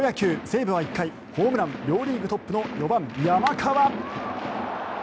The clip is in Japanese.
西武は１回ホームラン両リーグトップの４番、山川。